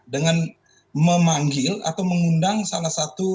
dengan memanggil atau mengundang salah satu